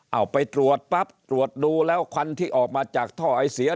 เอาไปตรวจปั๊บตรวจดูแล้วควันที่ออกมาจากท่อไอเสีย